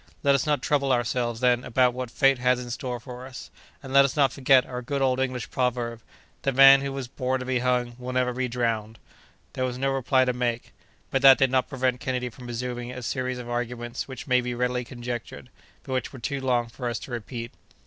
Let us not trouble ourselves, then, about what fate has in store for us, and let us not forget our good old English proverb: 'The man who was born to be hung will never be drowned!'" There was no reply to make, but that did not prevent Kennedy from resuming a series of arguments which may be readily conjectured, but which were too long for us to repeat.